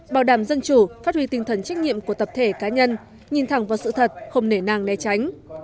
bảo đảm dân chủ phát huy tinh thần trách nhiệm của tập thể cá nhân nhìn thẳng vào sự thật không nể nàng né tránh